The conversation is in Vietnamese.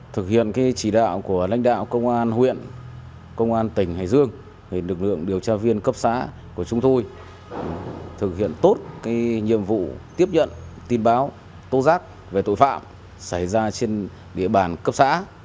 thực hiện chỉ đạo của lãnh đạo công an huyện công an tỉnh hải dương lực lượng điều tra viên cấp xã của chúng tôi thực hiện tốt nhiệm vụ tiếp nhận tin báo tố giác về tội phạm xảy ra trên địa bàn cấp xã